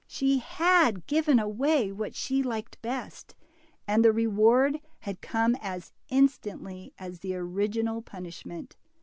She had given away what she liked best, and the reward had come as instantly as the original punishment.